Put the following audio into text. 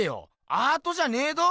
アートじゃねぇど。